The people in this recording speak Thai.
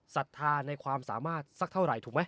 ศรัทธาในความสามารถสักเท่าไหร่ถูกไหม